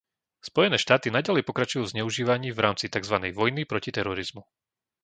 Spojené štáty naďalej pokračujú v zneužívaní v rámci takzvanej vojny proti terorizmu.